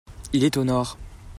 Il est au nord.